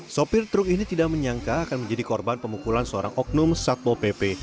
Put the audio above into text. sopir truk ini tidak menyangka akan menjadi korban pemukulan seorang oknum satpol pp